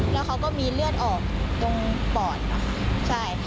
แล้วเขาก็มีเลือดออกตรงปอดนะคะใช่ค่ะ